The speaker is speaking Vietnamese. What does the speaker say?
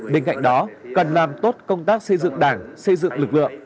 bên cạnh đó cần làm tốt công tác xây dựng đảng xây dựng lực lượng